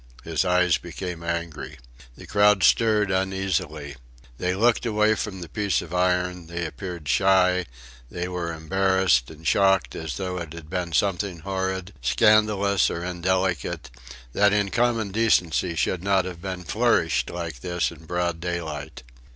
His eyes became angry. The crowd stirred uneasily. They looked away from the piece of iron, they appeared shy, they were embarrassed and shocked as though it had been something horrid, scandalous, or indelicate, that in common decency should not have been flourished like this in broad daylight.